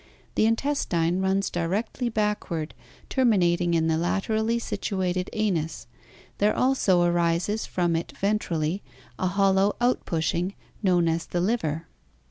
The in testine runs directly backward, terminating in the laterally situated anus. There also arises from it ventrally a hollow outpushing known as the liver.